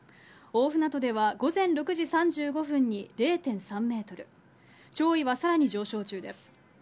大船渡では午前６時３５分に０．３メートル、潮位はさらに上昇中です。